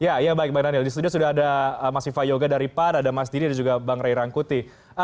ya ya baik bang daniel di studio sudah ada mas viva yoga dari pan ada mas didi dan juga bang ray rangkuti